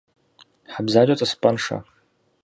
Хьэ бзаджэ тӏысыпӏэншэ.